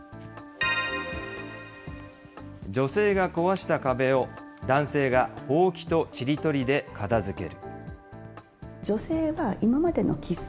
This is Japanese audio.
女性が壊した壁を男性がほうきとちり取りで片づける。